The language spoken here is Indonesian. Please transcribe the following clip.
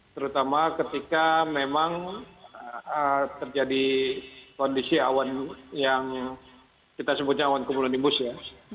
terutama ketika memang terjadi kondisi awan yang kita sebutnya awan kumulonimbus ya